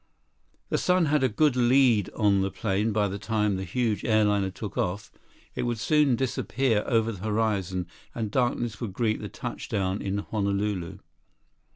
The sun had a good lead on the plane by the time the huge airliner took off. It would soon disappear over the horizon, and darkness would greet the touch down in Honolulu.